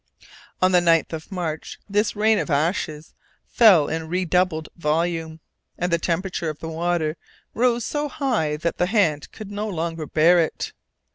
On the 9th of March this rain of ashes fell in redoubled volume, and the temperature of the water rose so high that the hand could no longer bear it.